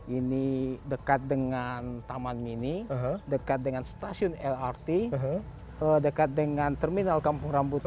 ini dekat dengan taman mini dekat dengan stasiun lrt dekat dengan terminal kampung rambutan